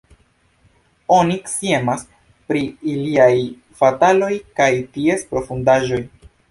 Oni sciemas pri iliaj fataloj kaj ties profundaĵoj.